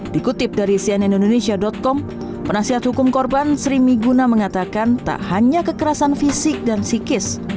dikutip dari cnnindonesia com penasihat hukum korban sri miguna mengatakan tak hanya kekerasan fisik dan psikis